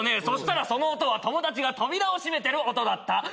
そしたらその音は友達が扉を閉めてる音だった。